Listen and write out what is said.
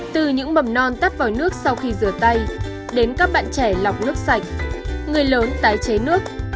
từ những mầm non tắt vòi nước sau khi rửa tay đến các bạn trẻ lọc nước sạch người lớn tái chế nước